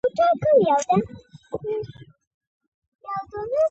هګۍ د غاښونو پیاوړتیا کې مرسته کوي.